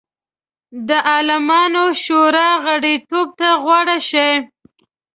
د عالمانو شورا غړیتوب ته غوره شي.